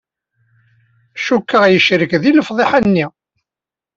Cukkeɣ yecrek deg lefḍiḥa-nni.